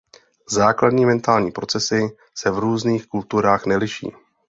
Základní mentální procesy se v různých kulturách neliší.